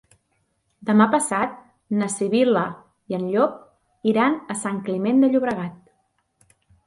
Demà passat na Sibil·la i en Llop iran a Sant Climent de Llobregat.